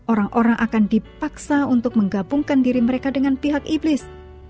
orang orang akan dipaksa untuk menggabungkan diri mereka dengan pihak iblis